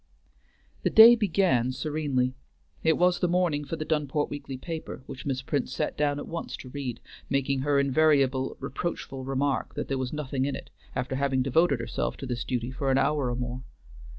The day began serenely. It was the morning for the Dunport weekly paper, which Miss Prince sat down at once to read, making her invariable reproachful remark that there was nothing in it, after having devoted herself to this duty for an hour or more.